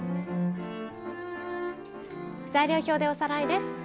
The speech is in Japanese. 材料表でおさらいです。